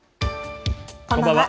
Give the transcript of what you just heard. こんばんは。